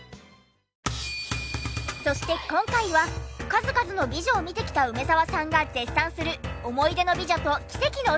そして今回は数々の美女を見てきた梅沢さんが絶賛する思い出の美女と奇跡の再会！